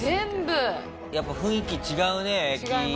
やっぱ雰囲気違うね駅ごとに。